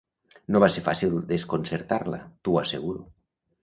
No va ser fàcil desconcertar-la, t'ho asseguro.